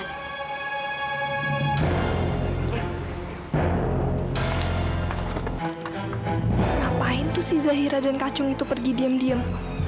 ngapain tuh si zahira dan kacung itu pergi diam diam